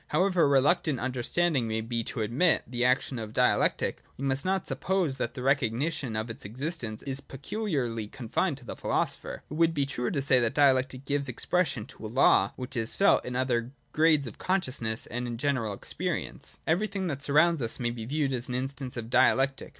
However reluctant Understanding may be to admit the action of Dialectic, we must not suppose that the recognition of its existence is peculiarly confined to the philosopher. It would be truer to say that Dialectic gives expression to a 150 LOGIC DEFINED AND DIVIDED. [8i. law which is felt in all other grades of consciousness, and in general experience. Everything that _ surrounds us may be viewed as an instance of Dialectic.